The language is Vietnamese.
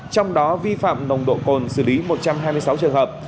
trong đó vi phạm nồng độ cồn xử lý một trăm hai mươi sáu trường hợp